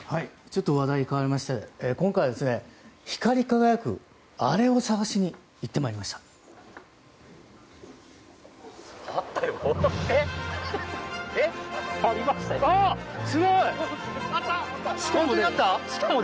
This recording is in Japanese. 話題が変わりまして今回、光り輝くあれを探しに行ってまいりました。